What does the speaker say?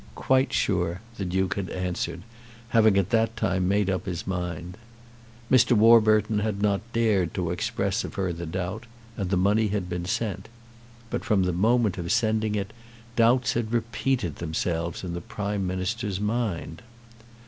"Quite sure," the Duke had answered, having at that time made up his mind. Mr. Warburton had not dared to express a further doubt, and the money had been sent. But from the moment of sending it doubts had repeated themselves in the Prime Minister's mind.